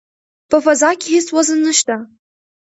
په فضا کې هیڅ وزن نشته.